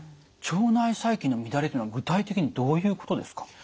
腸内細菌の乱れというのは具体的にどういうことですか？